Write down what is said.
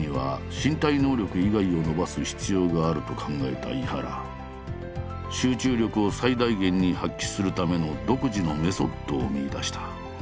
集中力を最大限に発揮するための独自のメソッドを見いだした。